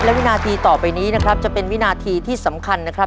และวินาทีต่อไปนี้นะครับจะเป็นวินาทีที่สำคัญนะครับ